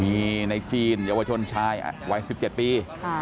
มีในจีนเยาวชนชายวัย๑๗ปี